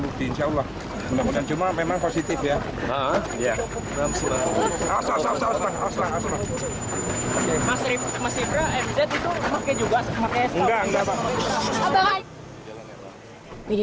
bukti insyaallah cuman memang positif ya iya asal asal asal asal asli masih mbak mz itu